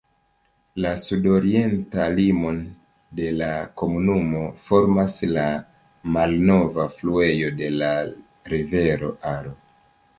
La sudorientan limon de la komunumo formas la malnova fluejo de la rivero Aro.